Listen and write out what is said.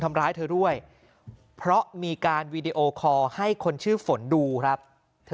ทำร้ายเธอด้วยเพราะมีการวีดีโอคอร์ให้คนชื่อฝนดูครับ